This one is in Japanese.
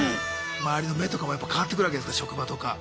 周りの目とかもやっぱ変わってくるわけですか職場とか。